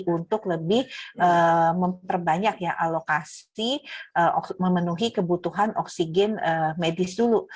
untuk lebih memperbanyak ya alokasi memenuhi kebutuhan oksigen medis dulu